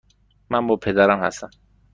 من با پدرم هستم.